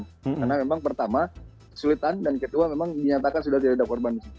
karena memang pertama kesulitan dan kedua memang dinyatakan sudah tidak ada korban di situ